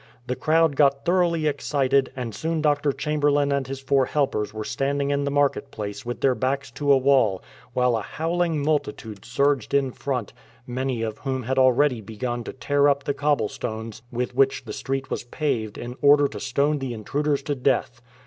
The crowd got thoroughly excited, and soon Dr. Chamberlain and his four helpers were standing in the market place with their backs to a wall, while a howling multitude surged in front, 38 A AVONDERFUL STORY many of whom had ah eady begun to tear up the cobble stones with which the street was paved in order to stone the intruders to death.